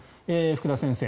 福田先生。